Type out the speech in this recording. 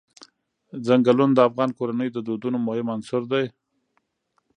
چنګلونه د افغان کورنیو د دودونو مهم عنصر دی.